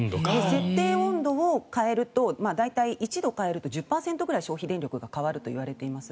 設定温度を変えると大体１度変えると１０％ぐらい消費電力が変わるといわれています。